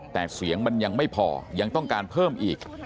แต่เสียงมันยังไม่พอยังต้องการเพิ่มอีก